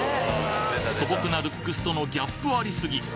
素朴なルックスとのギャップありすぎ！